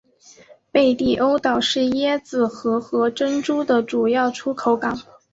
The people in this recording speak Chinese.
贝蒂欧岛是椰子核和珍珠的主要出口港。